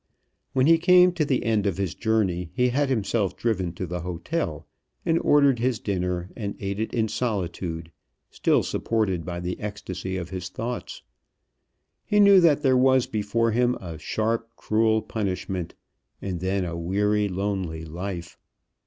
When he came to the end of his journey, he had himself driven to the hotel, and ordered his dinner, and ate it in solitude, still supported by the ecstasy of his thoughts. He knew that there was before him a sharp cruel punishment, and then a weary lonely life.